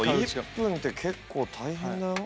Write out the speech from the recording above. １分って結構大変だよ。